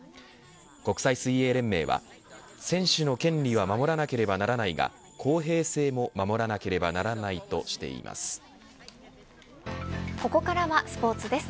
国際水泳連盟は選手の権利は守らなければならないが公平性も守らなければならないとしています。